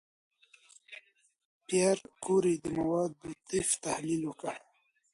پېیر کوري د موادو د طیف تحلیل وکړ.